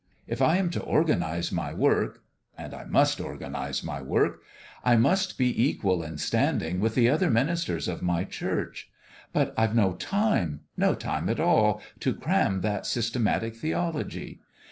If I am to organize my work and I must organize my work I must be equal in standing with the other ministers of my Church. But I've no time no time at all to cram that systematic theology.